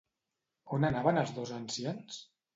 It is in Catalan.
On anaven els dos ancians?